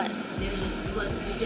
dari uang jejaknya itu